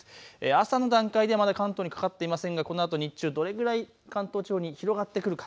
朝の段階ではまだ関東にかかっていませんがこのあと日中、どれくらい関東地方に広がってくるか。